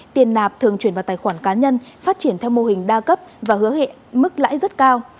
tiền nạp thường chuyển vào tài khoản cá nhân phát triển theo mô hình đa cấp và hứa hẹn mức lãi rất cao